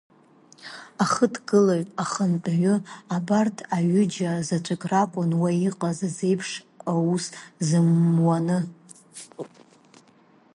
Ахьыдкылаҩ, ахантәаҩы, абарҭ аҩыџьа заҵәык ракәын уа иҟаз азеиԥш ус зымуаны.